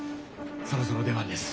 そろそろ出番です。